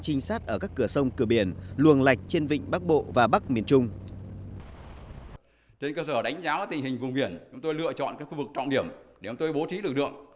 trên cơ sở đánh giá tình hình vùng biển chúng tôi lựa chọn khu vực trọng điểm để chúng tôi bố trí lực lượng